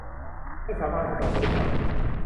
ให้สามารถออกแบบบริการ